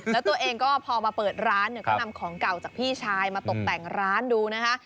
แล้วตัวเองก็พอมาเปิดร้านเนี่ยก็นำของเก่าจากพี่ชายมาตกแต่งร้านดูนะคะ